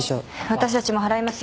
私たちも払いますよ